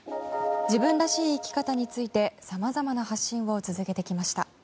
自分らしい生き方についてさまざまな発信を続けてきました。